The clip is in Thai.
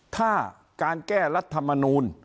ถ้าการแก้รัฐมนูล